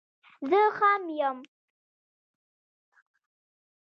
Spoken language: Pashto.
زه ښه يم، ډېره مننه.